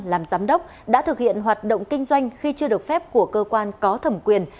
làm giám đốc đã thực hiện hoạt động kinh doanh khi chưa được phép của cơ quan có thẩm quyền